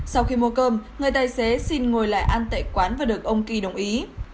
sau khi mua cơm người tài xế xin ngồi lại ăn tại quán và được ông kỳ đồng ý